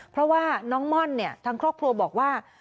เพราะว่าน้องม่อนเนี่ยทางครอบครัวบอกว่า